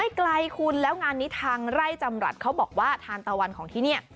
ไกลคุณแล้วงานนี้ทางไร่จำรัฐเขาบอกว่าทานตะวันของที่นี่